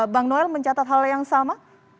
bang noel mencatat hal yang sama